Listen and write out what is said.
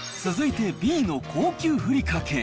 続いて、Ｂの高級ふりかけ。